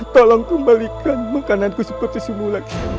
tolong kembalikan makananku seperti semula